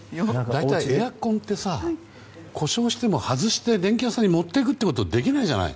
大体、エアコンってさ故障しても外して電気屋さんに持っていくことできないじゃない。